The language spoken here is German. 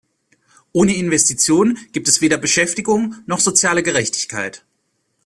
Ohne Investition gibt es weder Beschäftigung noch soziale Gerechtigkeit.